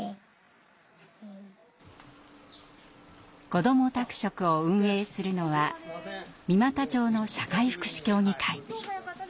「こども宅食」を運営するのは三股町の社会福祉協議会。